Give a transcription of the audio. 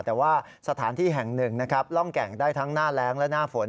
แต่ว่าสถานที่แห่งหนึ่งนะครับร่องแก่งได้ทั้งหน้าแรงและหน้าฝน